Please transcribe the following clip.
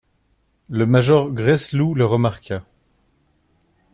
Le major Gresloup le remarqua.